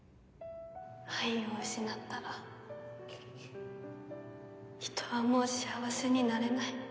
愛を失ったら人はもう幸せになれない。